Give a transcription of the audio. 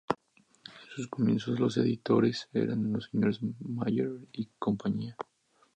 En sus comienzos, los editores eran los señores Mayer y Compañía.